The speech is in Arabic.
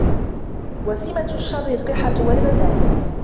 وَسِمَةُ الشَّرِّ الْقِحَةُ وَالْبَذَاءُ